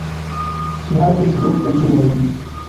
Ŝi havis du gefilojn.